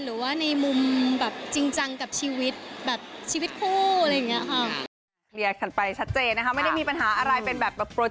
หรือว่าในมุมแบบจริงจังกับชีวิตแบบชีวิตคู่อะไรอย่างนี้ค่ะ